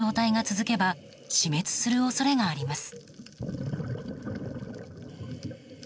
この状態が続けば死滅する恐れもあります。